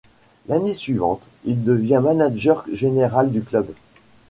L'année suivante, il devient manager général du club.